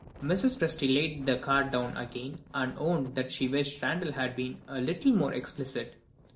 Mrs. Presty laid the card down again and owned that she wished Randal had been a little more explicit.